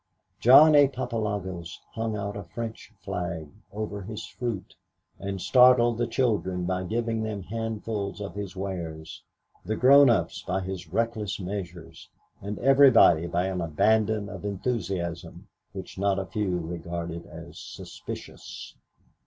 John A. Papalogos hung out a French flag over his fruit and startled the children by giving them handfuls of his wares, the grown ups by his reckless measures and everybody by an abandon of enthusiasm which not a few regarded as suspicious.